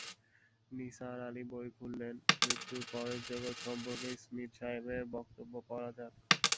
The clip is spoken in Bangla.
নিসার আলি বই খুললেন, মৃত্যুর পরের জগৎ সম্পর্কে স্মিথ সাহেবের বক্তব্য পড়া যাক।